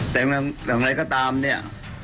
แต่แบบไหนดูก็ตามนี่